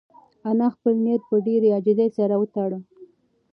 انا خپل نیت په ډېرې عاجزۍ سره وتاړه.